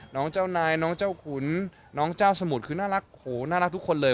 น้องเจ้านายน้องเจ้าขุนน้องเจ้าสมุทรคือน่ารักโหน่ารักทุกคนเลย